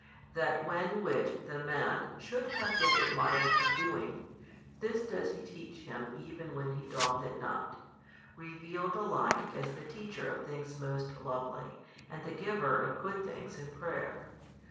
That then which the man should have been admired for doing, this does he teach him even when he doth it not, revealed alike as the Teacher of things most lovely, and the Giver of good things in prayer.